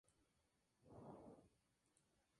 Puedes decir que el amor es una buena experiencia.